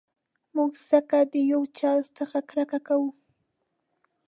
موږ ځکه د یو چا څخه کرکه کوو.